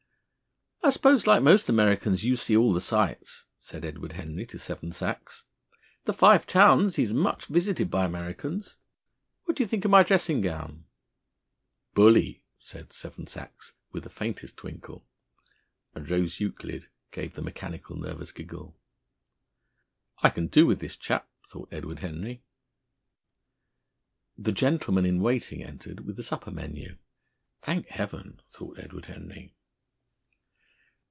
"I suppose, like most Americans, you see all the sights," said Edward Henry to Seven Sachs, "the Five Towns is much visited by Americans. What do you think of my dressing gown?" "Bully!" said Seven Sachs, with the faintest twinkle. And Rose Euclid gave the mechanical nervous giggle. "I can do with this chap," thought Edward Henry. The gentleman in waiting entered with the supper menu. "Thank Heaven!" thought Edward Henry.